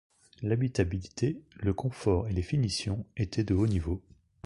L'habitabilité, le confort et les finitions étaient de haut niveau.